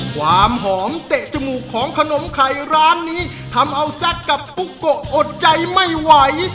ความหอมเตะจมูกของขนมไข่ร้านนี้ทำเอาแซ็กกับปุ๊กโกะอดใจไม่ไหว